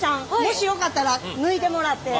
もしよかったら抜いてもらって。